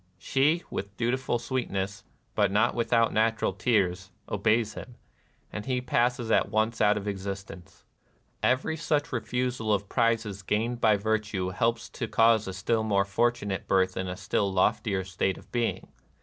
She, with dutiful sweetness, but not without natural tears, obeys him ; and he passes at once out of existence. Every such refusal of the prizes gained by virtue helps to cause a still more fortunate birth in a still loftier state of being.